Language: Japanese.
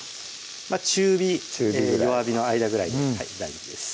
中火・弱火の間ぐらいで大丈夫です